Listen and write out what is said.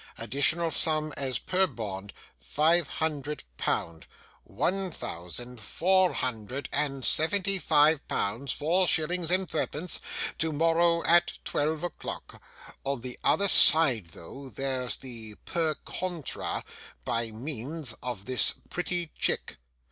Additional sum as per bond, five hundred pound. One thousand, four hundred and seventy five pounds, four shillings, and threepence, tomorrow at twelve o'clock. On the other side, though, there's the PER CONTRA, by means of this pretty chick.